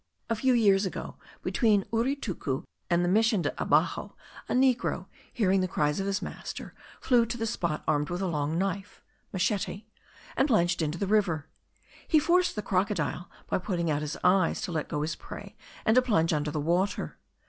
A few years ago, between Uritucu and the Mission de Abaxo, a negro, hearing the cries of his master, flew to the spot, armed with a long knife (machete), and plunged into the river. He forced the crocodile, by putting out his eyes, to let go his prey and to plunge under the water.